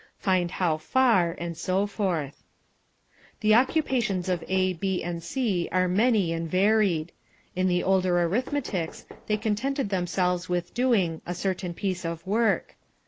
Find how far, and so forth." The occupations of A, B, and C are many and varied. In the older arithmetics they contented themselves with doing "a certain piece of work."